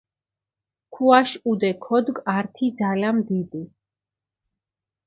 ქუაშ ჸუდე ქოდგჷ ართი ძალამ დიდი.